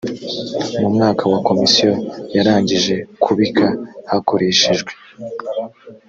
mu mwaka wa komisiyo yarangije kubika hakoreshejwe